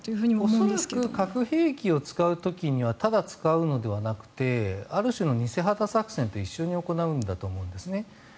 恐らく核兵器を使う時にはただ使うのではなくてある種の偽旗作戦と一緒に行うんだと思います。